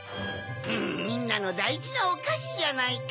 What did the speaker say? みんなのだいじなおかしじゃないか。